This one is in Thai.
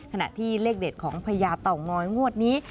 ขณะที่เลขเด็ดของพญาเต่างอยงวดนี้